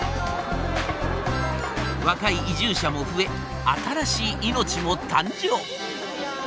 若い移住者も増え新しい命も誕生。